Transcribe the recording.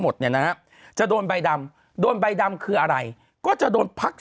หมดเนี่ยนะฮะจะโดนใบดำโดนใบดำคืออะไรก็จะโดนพัก